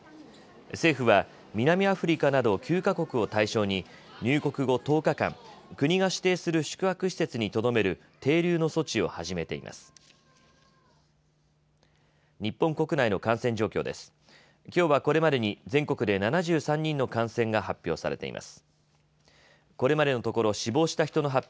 政府は南アフリカなど９か国を対象に入国後１０日間、国が指定する宿泊施設にとどめる停留の措置を始めています。